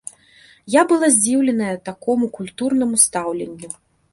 Я была здзіўленая такому культурнаму стаўленню.